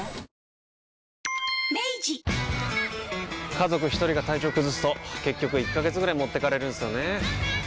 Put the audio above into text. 家族一人が体調崩すと結局１ヶ月ぐらい持ってかれるんすよねー。